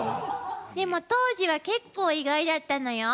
でも当時は結構意外だったのよ。